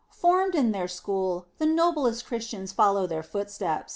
Formed in their school, the noblest Christians follow in their footsteps.